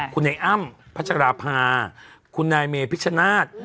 คุณนายอ้ำพัชราพาคุณนายเมภิกชนาศ